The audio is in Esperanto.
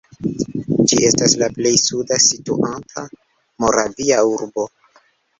Ĝi estas la plej suda situanta moravia urbo.